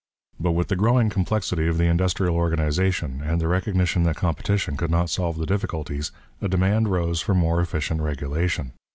But with the growing complexity of the industrial organization, and the recognition that competition could not solve the difficulties, a demand rose for more efficient regulation.